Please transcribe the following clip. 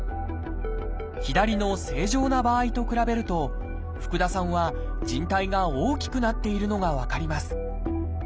左の正常な場合と比べると福田さんはじん帯が大きくなっているのが分かります。